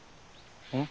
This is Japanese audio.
うん？